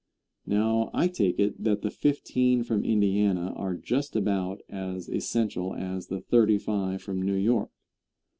Now, I take it, that the fifteen from Indiana are just about as essential as the thirty five from New York.